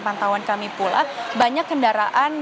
pantauan kami pula banyak kendaraan